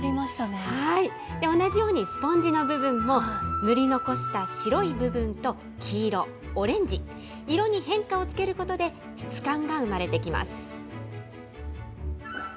同じようにスポンジの部分も、塗り残した白い部分と、黄色、オレンジ、色に変化をつけることで質感が生まれてきます。